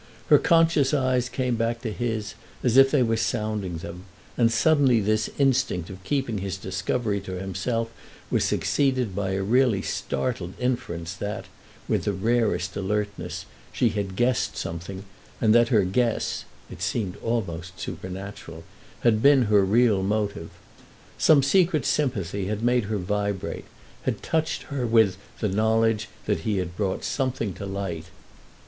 Her conscious eyes came back to his as if they were sounding them, and suddenly this instinct of keeping his discovery to himself was succeeded by a really startled inference that, with the rarest alertness, she had guessed something and that her guess (it seemed almost supernatural), had been her real motive. Some secret sympathy had made her vibrate—had touched her with the knowledge that he had brought something to light.